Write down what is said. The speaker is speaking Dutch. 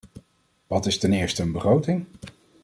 Wat is ten eerste een begroting?